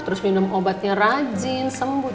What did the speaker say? terus minum obatnya rajin sembuh